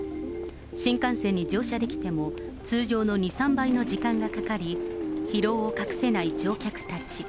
新幹線に乗車できても、通常の２、３倍の時間がかかり、疲労を隠せない乗客たち。